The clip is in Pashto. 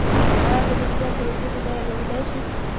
آیا په دې صورت کې د توکي بیه لوړیدای شي؟